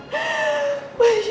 kamu begitu peduli sama saya